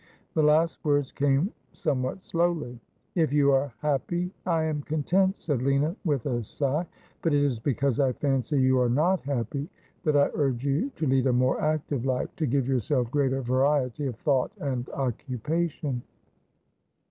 The last words came somewhat slowly. ' If you are happy, I am content,' said Lina, with a sigh ;' but it is because I fancy you are not happy that I urge you to lead a more active life, to give yourself greater variety of thought and occupation.'